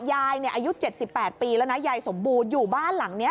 ยายเนี่ยอายุ๗๘ปีแล้วนะยายสมบูรณ์อยู่บ้านหลังนี้